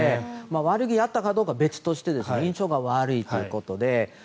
悪気があったかどうかは別として印象が悪いということで。